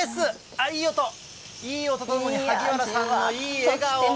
ああ、いい音、いい音とともに萩原さんのいい笑顔。